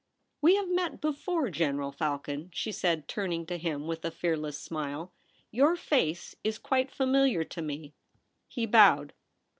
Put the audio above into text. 'We have met before, General Falcon,' she said, turning to him with a fearless smile ;' your face is quite familiar to me.' He bowed.